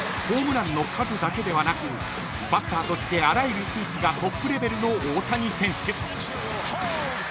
［ホームランの数だけではなくバッターとしてあらゆる数値がトップレベルの大谷選手］